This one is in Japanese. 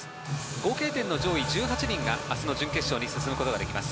合計点の上位１８人が明日の準決勝に進むことができます。